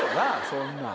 そんなん。